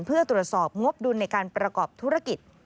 เพื่อตรวจสอบงบดุลในการประกอบธุรกิจ